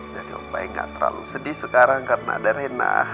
jadi om baik gak terlalu sedih sekarang karena ada reina